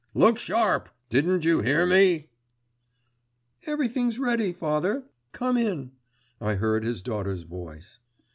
Look sharp! Didn't you hear me?' 'Everything's ready, father; come in,' I heard his daughter's voice.